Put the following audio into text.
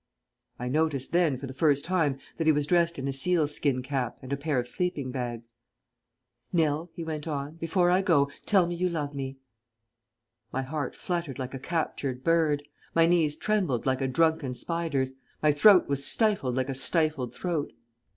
I noticed then for the first time that he was dressed in a seal skin cap and a pair of sleeping bags. "Nell," he went on, "before I go, tell me you love me." My heart fluttered like a captured bird; my knees trembled like a drunken spider's; my throat was stifled like a stifled throat.